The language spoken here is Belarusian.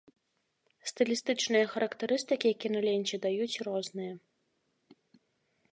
Стылістычныя характарыстыкі кіналенце даюць розныя.